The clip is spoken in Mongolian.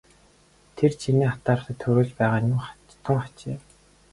Тэр чиний атаархлыг төрүүлж байгаа нь тун хачин юм.